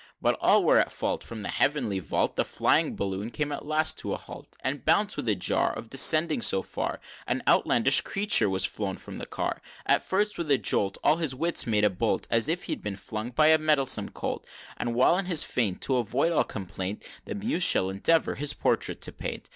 XVIII. But all were at fault; From the heavenly vault The falling balloon came at last to a halt; And bounce! with the jar Of descending so far, An outlandish Creature was thrown from the car! XIX. At first with the jolt All his wits made a bolt, As if he'd been flung by a mettlesome colt; And while in his faint, To avoid all complaint, The muse shall endeavor his portrait to paint.